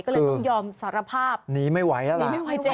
ก็เลยต้องยอมสารภาพหนีไม่ไหวแล้วล่ะ